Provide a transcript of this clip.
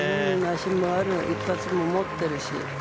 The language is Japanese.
足もある一発も持ってるし。